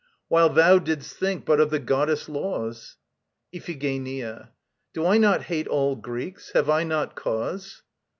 While thou didst think but of the goddess' laws! IPHIGENIA. Do I not hate all Greeks? Have I not cause?